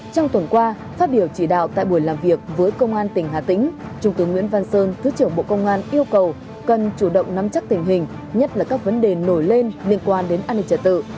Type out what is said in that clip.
trong tuần qua phát biểu chỉ đạo tại buổi làm việc với công an tỉnh hà tĩnh trung tướng nguyễn văn sơn thứ trưởng bộ công an yêu cầu cần chủ động nắm chắc tình hình nhất là các vấn đề nổi lên liên quan đến an ninh trật tự